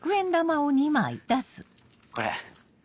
これ。